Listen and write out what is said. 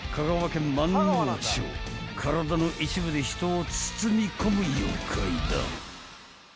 ［体の一部で人を包み込む妖怪だ］